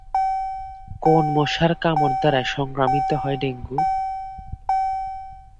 কোন মশার কামড় দ্বারা সংক্রামিত হয় ডেঙ্গু?